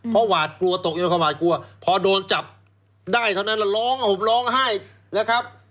เพราะหวาดกลัวตกอยู่กับหวาดกลัวพอโดนจับได้เท่านั้นแล้วร้องห่มร้องไห้นะครับ